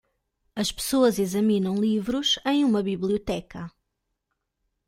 As pessoas examinam livros em uma biblioteca.